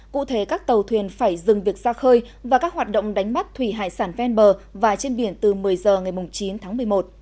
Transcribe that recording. cụ thể các tàu thuyền phải dừng việc ra khơi và các hoạt động đánh bắt thủy hải sản ven bờ và trên biển từ một mươi h ngày chín tháng một mươi một